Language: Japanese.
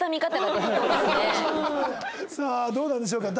さあどうなるんでしょうか。